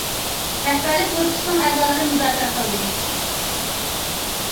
رەھبەرلىك گۇرۇپپىسىنىڭ ئەزالىرى مۇزاكىرە قىلدى.